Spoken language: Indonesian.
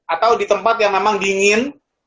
atau di tempat yang memang dingin